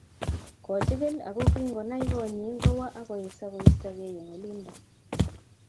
Kochigil ako kingonai konyi kowo akoesio koistokei eng olindo